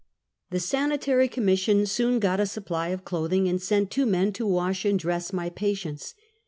The Sanitary Commission soon got a supply of cloth ing, and sent two men to wash and dress my patients.